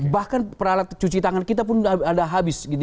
bahkan peralatan cuci tangan kita pun ada habis